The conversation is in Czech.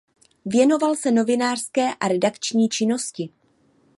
Věnoval se novinářské a redakční činnosti.